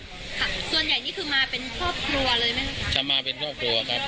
ส่วนใหญ่นี้คือมาเป็นครอบครัวเลยมั้ยครับ